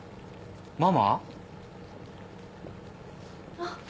あっ。